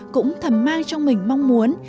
cũng thầm mang trong mình mong muốn